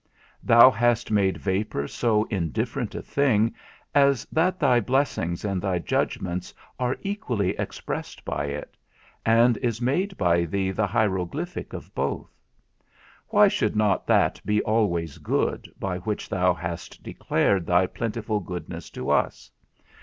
Thou hast made vapour so indifferent a thing as that thy blessings and thy judgments are equally expressed by it, and is made by thee the hieroglyphic of both. Why should not that be always good by which thou hast declared thy plentiful goodness to us?